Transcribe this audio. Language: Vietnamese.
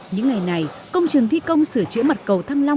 những ngày này công trường thi công sửa chữa mặt cầu thăng long